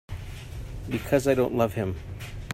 Because I don't love him.